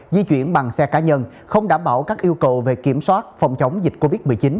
di chuyển bằng xe cá nhân không đảm bảo các yêu cầu về kiểm soát phòng chống dịch covid một mươi chín